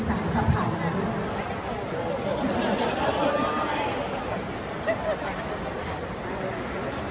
สามารถถูกยกลับมาจากภูเจริญวิทยาลง